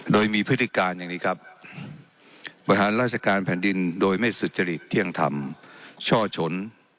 โดยมีพฤติการอย่างนี้ครับบริหารราชการแผ่นดินโดยไม่สุจริตเที่ยงธรรมช่อชน